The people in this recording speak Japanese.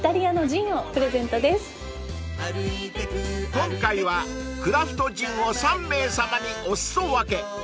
［今回はクラフトジンを３名さまにお裾分け］